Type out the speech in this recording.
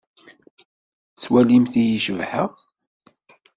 Tettwalimt-iyi-d cebḥeɣ?